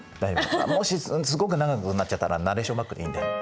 もしすごく長くなっちゃったらナレーションバックでいいんで。